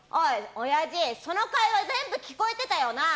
おやじ、その会話全部聞こえてたよな！